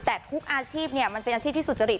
แต่ทุกอาชีพมันเป็นอาชีพที่สุจริต